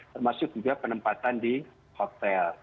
termasuk juga penempatan di hotel